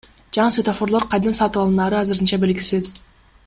Жаңы светофорлор кайдан сатып алынаары азырынча белгисиз.